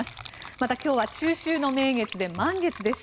また、今日は中秋の名月で満月です。